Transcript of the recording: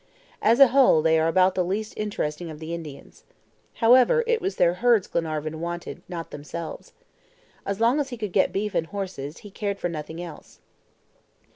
As a whole, they are about the least interesting of the Indians. However, it was their herds Glenarvan wanted, not themselves. As long as he could get beef and horses, he cared for nothing else.